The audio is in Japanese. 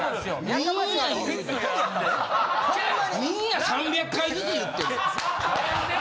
みんな３００回ずつ言ってるで。